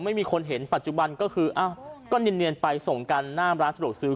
ไม่มีคนเห็นปัจจุบันก็คืออ้าวก็เนียนไปส่งกันหน้าร้านสะดวกซื้อ